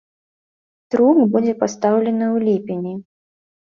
Трук будзе пастаўлены ў ліпені.